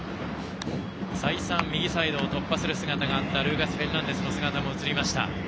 再三、右サイドを突破する姿があったルーカス・フェルナンデスの姿も映りました。